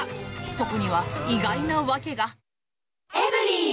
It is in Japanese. そこには意外な訳が。